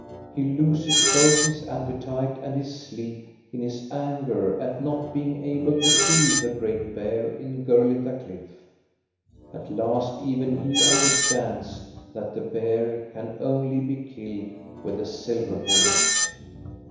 He loses both his appetite and his sleep in his anger at not be ing able to kill the great bear in Gurlitta Cliff. At last even he understands that the bear can only be killed with a silver bullet.